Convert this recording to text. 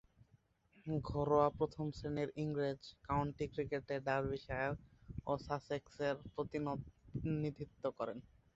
ঘরোয়া প্রথম-শ্রেণীর ইংরেজ কাউন্টি ক্রিকেটে ডার্বিশায়ার ও সাসেক্সের প্রতিনিধিত্ব করেন।